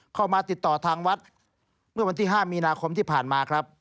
เข้ามาติดต่อทางวัดเมื่อวันที่๕มีนาคมที่ผ่านมาครับ